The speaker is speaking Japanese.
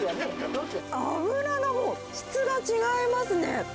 脂がもう、質が違いますね。